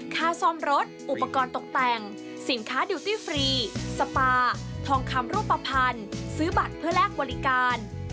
ค่าซ่อมรถอุปกรณ์ตกแต่งสินค้าดิวตี้ฟรีสปาทองคำรูปภัณฑ์ซื้อบัตรเพื่อแลกบริการ